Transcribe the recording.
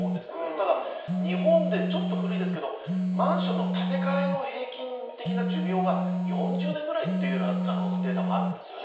ただ日本でちょっと古いですけどマンションの建て替えの平均的な寿命が４０年くらいというデータもあるんです。